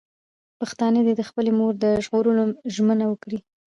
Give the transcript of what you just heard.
پښتانه دې د خپلې مور د ژغورلو ژمنه وکړي.